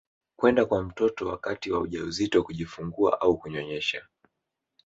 kwenda kwa mtoto wakati wa ujauzito kujifungua au kunyonyesha